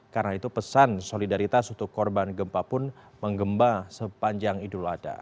karena itu pesan solidaritas untuk korban gempa pun menggemba sepanjang idul adha